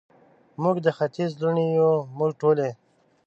موږ د ختیځ لوڼې یو، موږ ټولې،